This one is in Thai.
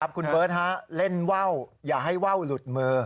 คุณเบิร์ตเล่นว่าวอย่าให้ว่าวหลุดมือ